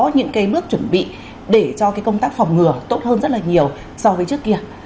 những cái bước chuẩn bị để cho cái công tác phòng ngừa tốt hơn rất là nhiều so với trước kia